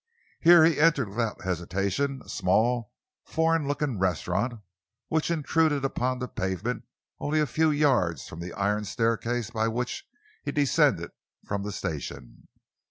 Here he entered without hesitation a small, foreign looking restaurant which intruded upon the pavement only a few yards from the iron staircase by which he descended from the station.